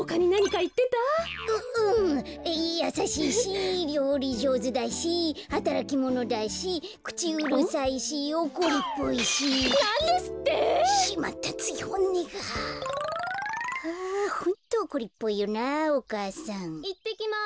いってきます。